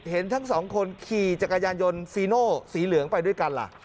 เห็นทั้งสองคนขี่จักรยานยนต์ฟีโน่สีเหลืองไปด้วยกันล่ะ